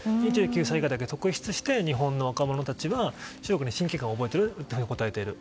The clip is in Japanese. ２９歳以下だけ特出して日本の若者たちが中国に親近感を覚えていると答えていると。